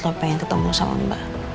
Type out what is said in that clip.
saya pengen ketemu sama mbak